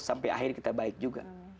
sampai akhir kita baik juga